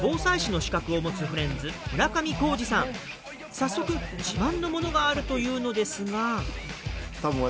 早速自慢の物があるというのですが。